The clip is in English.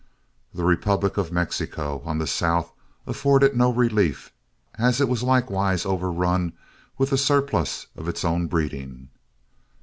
The republic of Mexico, on the south, afforded no relief, as it was likewise overrun with a surplus of its own breeding.